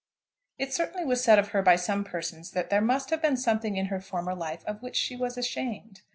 It certainly was said of her by some persons that there must have been something in her former life of which she was ashamed.